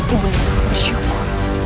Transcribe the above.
ibu nda bersyukur